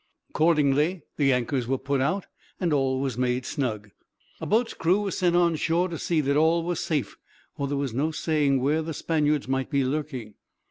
Accordingly the anchors were put out, and all was made snug. A boat's crew was sent on shore to see that all was safe, for there was no saying where the Spaniards might be lurking.